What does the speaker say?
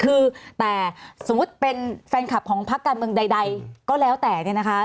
คือแต่สมมุติเป็นแฟนคลับของพักการเมืองใดก็แล้วแต่เนี่ยนะคะ